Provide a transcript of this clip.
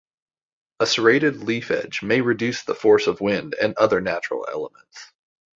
A serrated leaf edge may reduce the force of wind and other natural elements.